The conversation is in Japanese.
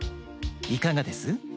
いかがです？